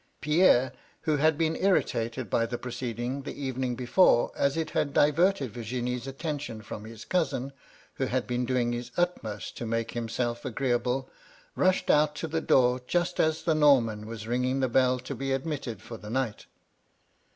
Pierre, who had been irritated by the proceeding the evening before, as it had diverted Virginie's attention from his CQusin, who had been doing his utmost to make himself agreeable, rushed out to the door, just as the Norman was ringing the bell to be admitted for the night.